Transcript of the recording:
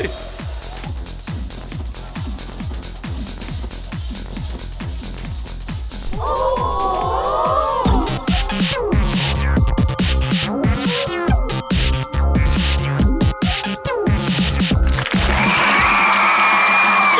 โอ้โห